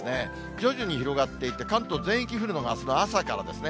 徐々に広がっていって、関東全域降るのがあすの朝からですね。